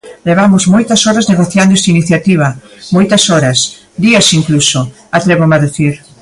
Levamos moitas horas negociando esta iniciativa, moitas horas, días incluso, atrévome a dicir.